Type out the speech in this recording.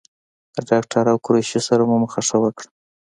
د ډاکټر او قریشي سره مو مخه ښه وکړه.